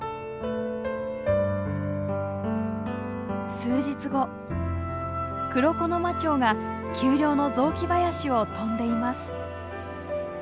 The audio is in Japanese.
数日後クロコノマチョウが丘陵の雑木林を飛んでいます。